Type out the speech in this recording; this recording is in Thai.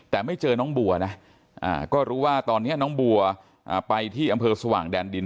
แต่ไม่เจอน้องบัวนะก็รู้ว่าตอนนี้น้องบัวไปที่อำเภอสว่างแดนดิน